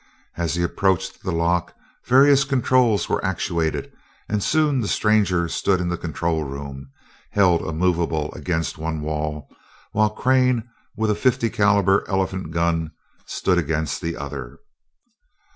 As he approached the lock various controls were actuated, and soon the stranger stood in the control room, held immovable against one wall, while Crane, with a 0.50 caliber elephant gun, stood against the other.